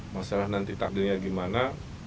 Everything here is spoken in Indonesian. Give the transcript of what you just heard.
masalah nanti takdirnya gimana